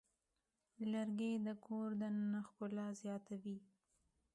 لرګی د کور دننه ښکلا زیاتوي.